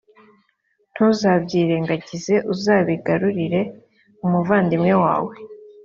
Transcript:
ntuzabyirengagize p uzabigarurire umuvandimwe wawe